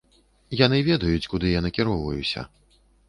Яны ведаюць, куды я накіроўваюся!